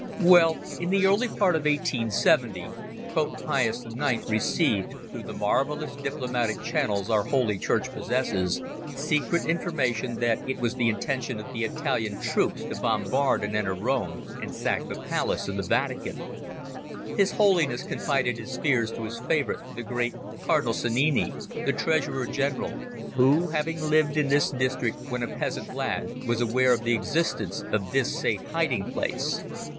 Well, in the early part of 1870, Pope Pius IX received, through the marvellous diplomatic channels our Holy Church possesses, secret information that it was the intention of the Italian troops to bombard and enter Rome, and sack the Palace of the Vatican. His Holiness confided his fears to his favourite, the great, Cardinal Sannini, the treasurer general, who, having lived in this district when a peasant lad, was aware of the existence of this safe hiding place.